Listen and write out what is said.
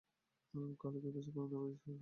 খালিদও বেশিক্ষণ এই দৃশ্য সহ্য করতে পারেনি।